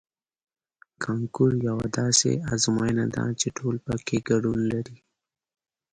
کانکور یوه داسې ازموینه ده چې ټول پکې ګډون لري